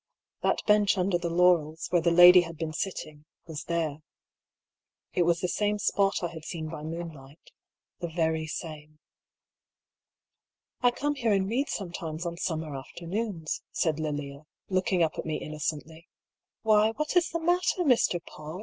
That bench under the laurels, where the lady had been sitting, was there. It was the same spot I had seen by moonlight — the very same. " I come here and read sometimes on summer after noons," said Lilia, looking up at me innocently. " Why, what is the matter, Mr. PauU ?